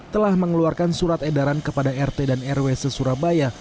telah mengeluarkan surat edaran kepada rt dan rw sesurabaya